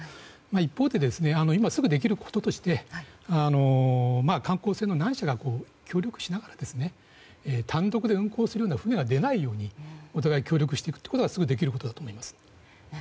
一方で今すぐにできることとして観光船の何社かが協力しながら単独で運航するような船が出ないようにお互い協力していくことはすぐにできることだと思います。